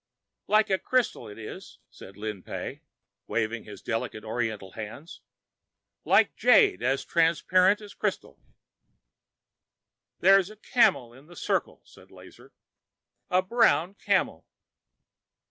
"Like crystal it is," said Lin Pey, waving his delicate oriental hands, "like jade as transparent as crystal." "There is a camel in the circle," said Lazar, "a brown camel."